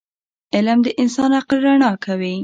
علم د انسان عقل رڼا کوي.